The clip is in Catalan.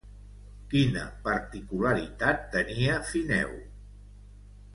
Quina particularitat tenia Fineu?